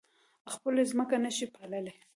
خپله ځمکه نه شي پاللی.